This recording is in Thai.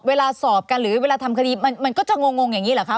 เวลาสอบกันหรือเวลาทำคดีมันก็จะงงอย่างนี้เหรอคะ